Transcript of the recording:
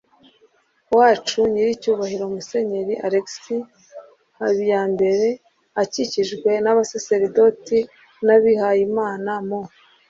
wacu nyiricyubahiro musenyeri alexis habiyambere, akikijwe n'abasaseridoti n'abihayimana mu